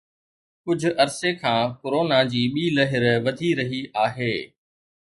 ڪجهه عرصي کان ڪرونا جي ٻي لهر وڌي رهي آهي